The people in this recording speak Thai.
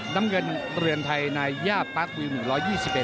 น้ำเงินเรือนไทยนายย่าปาร์ควิว๑๒๑